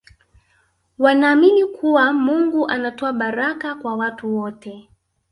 wanaamini kuwa mungu anatoa baraka kwa watu wote